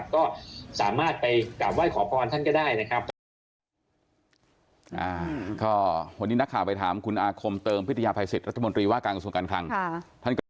ก็สามารถไปกราบไหว้ขอพรท่านก็ได้นะครับ